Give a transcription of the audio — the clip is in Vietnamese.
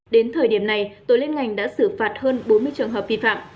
đến thời điểm này tối lên ngành đã xử phạt hơn bốn mươi trường hợp vi phạm